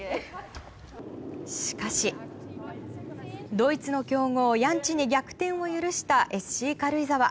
しかし、ドイツの強豪ヤンチに逆転を許したＳＣ軽井沢。